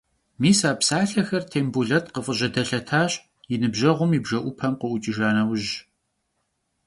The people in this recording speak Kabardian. Мис а псалъэхэр Тембулэт къыфӏыжьэдэлъэтащ, и ныбжьэгъум и бжэӏупэм къыӏукӏыжа нэужь.